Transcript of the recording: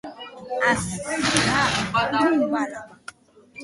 Urriaren amaiera aldean, lan berria ezagutzera emateko bira bat abiatuko dute.